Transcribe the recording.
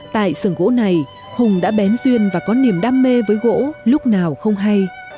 tại xưởng gỗ này hùng đã bén duyên và có niềm đam mê với gỗ lúc nào không hay